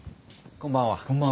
こんばんは。